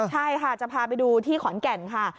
ใช่ค่ะจะพาไปดูที่ขอนแก่นค่ะ